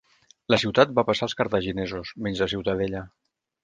La ciutat va passar als cartaginesos menys la ciutadella.